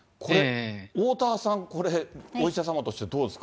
おおたわさん、これ、お医者様としてどうですか？